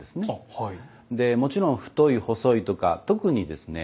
でもちろん太い細いとか特にですね